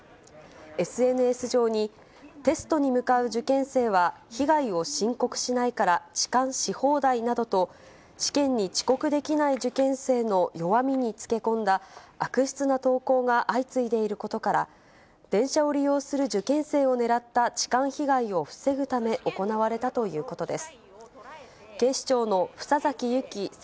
ＳＮＳ上に、テストに向かう受験生は被害を申告しないから痴漢し放題などと、試験に遅刻できない受験生の弱みにつけ込んだ、悪質な投稿が相次いでいることから、電車を利用する受験生を狙った痴漢被害を防ぐため行われたということです。